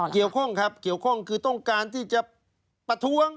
เกี่ยวข้องครับเกี่ยวข้องคือต้องการที่จะประท้วง